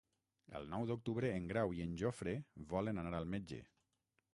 El nou d'octubre en Grau i en Jofre volen anar al metge.